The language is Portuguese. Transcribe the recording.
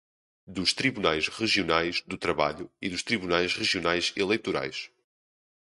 dos Tribunais Regionais do Trabalho e dos Tribunais Regionais Eleitorais